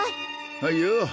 はいよ。